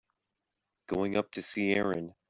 Going up to see Erin.